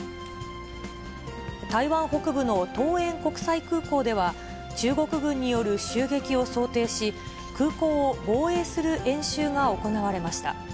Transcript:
台湾北部の桃園国際空港では、中国軍による襲撃を想定し、空港を防衛する演習が行われました。